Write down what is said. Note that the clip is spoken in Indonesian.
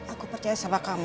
aku percaya sama kamu